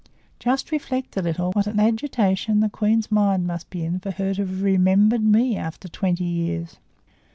Just reflect a little what an agitation the queen's mind must be in for her to have remembered me after twenty years."